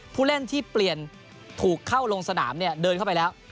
ผู้เล่นที่เปลี่ยนถูกเข้าลงสนามเนี่ยเดินเข้าไปแล้ว